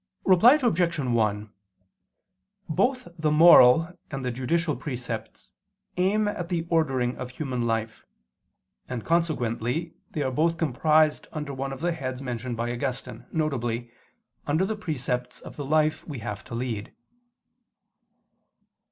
Reply Obj. 1: Both the moral and the judicial precepts aim at the ordering of human life: and consequently they are both comprised under one of the heads mentioned by Augustine, viz. under the precepts of the life we have to lead.